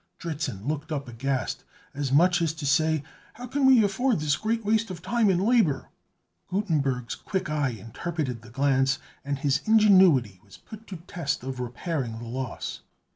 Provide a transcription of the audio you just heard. Dritzhn looked up aghast, as much as to say, "How can we afford this great waste of time and labor?" Gutenberg's quick eye interpreted the glance, and his ingenuity was put to the test of repairing the loss.